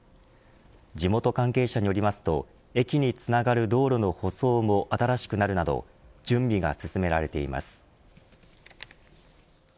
地元関係者によりますと駅につながる道路の舗装も新しくなるなど準備が進められています。